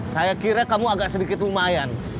saya kira kamu agak sedikit lumayan